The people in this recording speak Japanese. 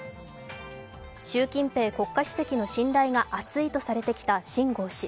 習近平国家主席の信頼が厚いとされてきた秦剛氏。